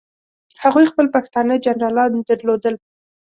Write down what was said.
هغوی خپل پښتانه جنرالان درلودل.